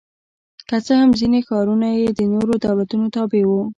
که څه هم ځیني ښارونه یې د نورو دولتونو تابع وو